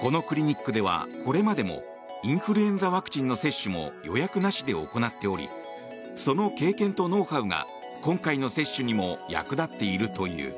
このクリニックではこれまでもインフルエンザワクチンの接種も予約なしで行っておりその経験とノウハウが今回の接種にも役立っているという。